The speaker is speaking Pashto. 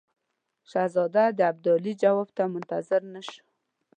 شهزاده د ابدالي جواب ته منتظر نه شو.